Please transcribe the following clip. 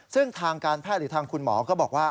ซึ่งทางการแพทย์หรือทางคุณหมอก็บอกว่า